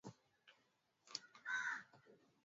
idadi hiyo imeongezeka kutoka watu milioni nane